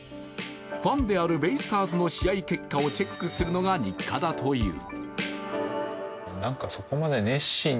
ファンであるベイスターズの試合結果をチェックするのが日課だという。